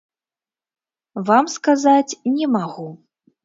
Вам сказаць не магу.